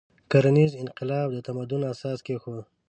کرنیز انقلاب د تمدن اساس کېښود.